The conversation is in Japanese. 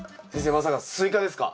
まさかスイカですか？